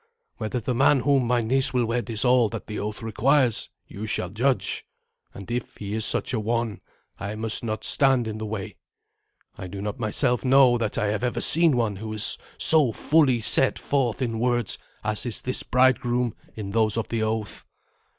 Whether the man whom my niece will wed is all that the oath requires, you shall judge; and if he is such a one, I must not stand in the way. I do not myself know that I have ever seen one who is so fully set forth in words as is this bridegroom in those of the oath."